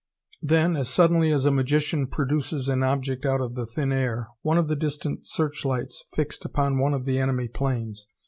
Then, as suddenly as a magician produces an object out of the thin air, one of the distant searchlights fixed upon one of the enemy planes.